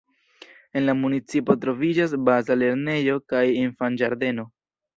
En la municipo troviĝas Baza lernejo kaj Infanĝardeno.